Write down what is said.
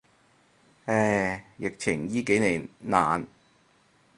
唉，疫情依幾年，難。